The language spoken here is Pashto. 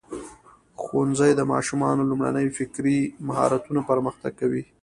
ښوونځی د ماشومانو لومړني فکري مهارتونه پرمختګ کوي.